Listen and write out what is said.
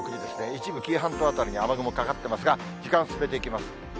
一部、紀伊半島辺りに雨雲かかってますが、時間進めていきます。